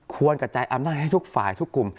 กระจายอำนาจให้ทุกฝ่ายทุกกลุ่ม